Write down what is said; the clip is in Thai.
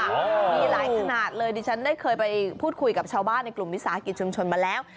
มีหลายขนาดเลยดิฉันได้เคยไปพูดคุยกับชาวบ้านในกลุ่มวิสาหกิจชุมชนมาแล้ว